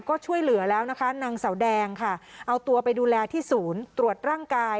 ก็ช่วยเหลือแล้วนะคะนางเสาแดงค่ะเอาตัวไปดูแลที่ศูนย์ตรวจร่างกาย